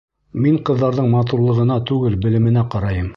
Мин ҡыҙҙарҙың матурлығына түгел, белеменә ҡарайым.